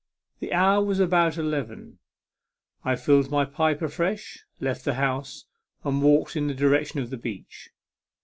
The hour was about eleven. I filled my pipe afresh, left the house, and walked in the direction of the beach.